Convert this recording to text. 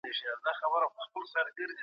د پوهې په لټه کې چین ته هم لاړ شئ.